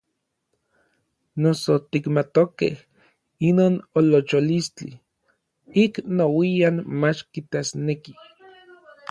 Noso tikmatokej inon olocholistli, ik nouian mach kitasnekij.